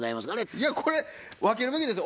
いやこれ分けるべきですよ。